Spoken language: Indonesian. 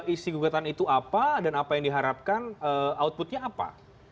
isi gugatan itu apa dan apa yang diharapkan outputnya apa